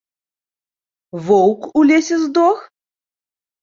Воўк у лесе здох?